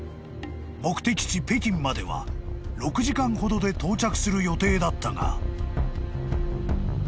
［目的地北京までは６時間ほどで到着する予定だったが］